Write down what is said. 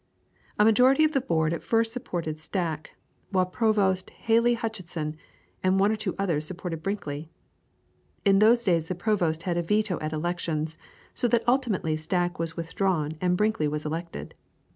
A majority of the Board at first supported Stack, while Provost Hely Hutchinson and one or two others supported Brinkley. In those days the Provost had a veto at elections, so that ultimately Stack was withdrawn and Brinkley was elected.